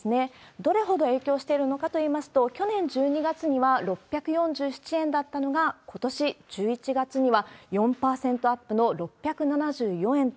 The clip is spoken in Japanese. どれほど影響しているのかといいますと、去年１２月には６４７円だったのが、ことし１１月には、４％アップの６７４円と。